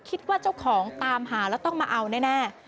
คิดว่าเจ้าของตามหาแล้วต้องมาเอาแน่